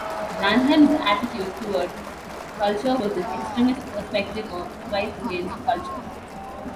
Branham's attitude toward culture was an extremist perspective of "Christ against Culture".